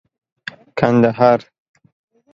کندهار